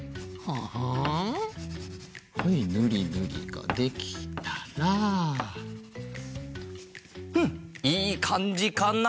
はいぬりぬりができたらうんいいかんじかな。